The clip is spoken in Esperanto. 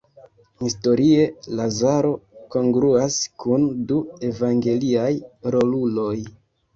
Historie Lazaro kongruas kun du evangeliaj roluloj.